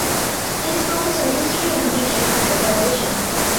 It is focused on the history of the Beech Aircraft Corporation.